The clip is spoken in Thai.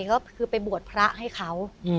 ก็คือไปบวชพระให้เขา